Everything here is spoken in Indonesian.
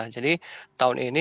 jadi tahun ini